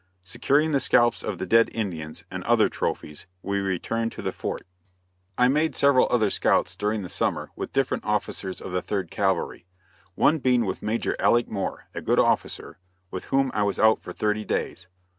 Securing the scalps of the dead Indians and other trophies we returned to the fort. I made several other scouts during the summer with different officers of the Third Cavalry, one being with Major Alick Moore, a good officer, with whom I was out for thirty days.